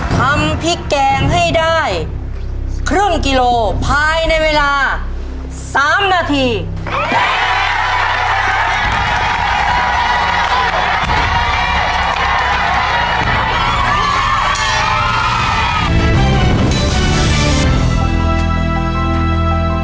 ทำพริกแกงให้ได้ครึ่งกิโลภายในเวลา๓นาที